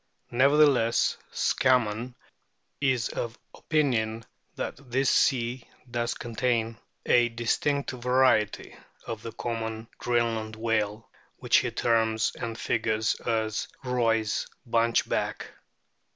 Nevertheless, Scammon is of opinion that this sea does contain a distinct variety of the common Greenland whale which he terms and figures as Roy's " Bunchback."